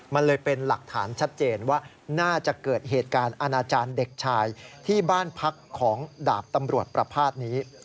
มันเลยเป็นหลักฐานชัดเจนว่าน่าจะเกิดเหตุการณ์อาณาจารย์เด็กชายที่บ้านพักของดาบตำรวจประพาทนี้